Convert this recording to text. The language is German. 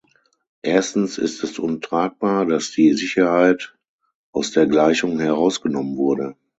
Erstens ist es untragbar, dass die Sicherheit aus der Gleichung herausgenommen wurde.